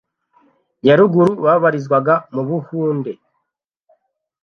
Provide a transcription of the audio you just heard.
ya Ruguru babarizwaga mu Buhunde